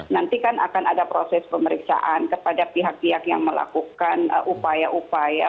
nanti kan akan ada proses pemeriksaan kepada pihak pihak yang melakukan upaya upaya